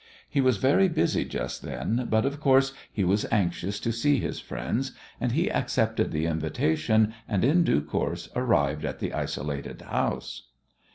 He was very busy just then, but, of course, he was most anxious to see his friends, and he accepted the invitation, and in due course arrived at the isolated house.